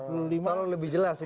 kalau lebih jelas